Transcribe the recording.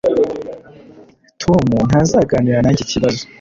Tom ntazaganira nanjye ikibazo.